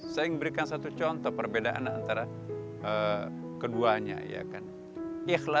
saya ingin memberikan satu contoh perbedaan antara keduanya